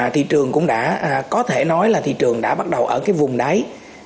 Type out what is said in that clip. thị trường cũng đã có thể nói là thị trường đã bắt đầu ở vùng đáy